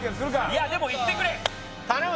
いやでもいってくれ頼む